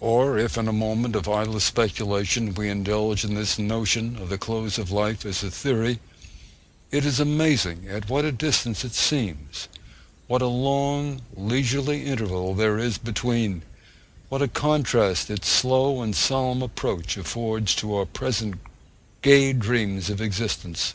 Or if in a moment of idle speculation we indulge in this notion of the close of life as a theory, it is amazing at what a distance it seems; what a long, leisurely interval there is between; what a contrast its slow and solemn approach affords to our present gay dreams of existence!